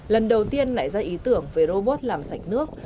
lần đầu tiên nại ra ý tưởng về robot làm sạch nước